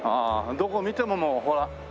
どこ見てももうほら煙がね。